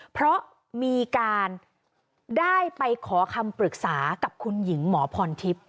เพราะมีการได้ไปขอคำปรึกษากับคุณหญิงหมอพรทิพย์